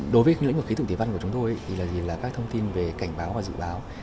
đối với lĩnh vực khí tượng thủy văn của chúng tôi thì là các thông tin về cảnh báo và dự báo